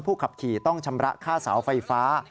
ขับขี่ต้องชำระค่าเสาไฟฟ้า